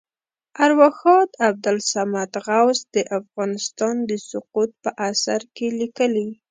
ارواښاد عبدالصمد غوث د افغانستان د سقوط په اثر کې لیکلي.